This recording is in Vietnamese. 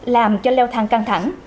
làm cho leo thang căng thẳng